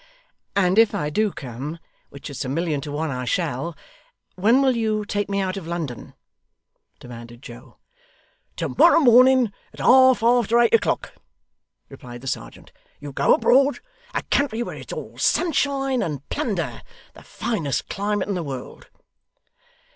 'And if I do come which it's a million to one, I shall when will you take me out of London?' demanded Joe. 'To morrow morning, at half after eight o'clock,' replied the serjeant. 'You'll go abroad a country where it's all sunshine and plunder the finest climate in the world.